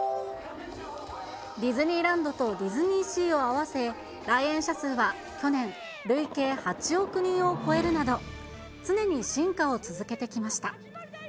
ディズニーランドとディズニーシーを合わせ、来園者数は去年、累計８億人を超えるなど、常に進化を続けてきました。